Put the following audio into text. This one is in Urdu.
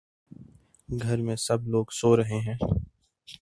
گھر میں سب لوگ سو رہے ہیں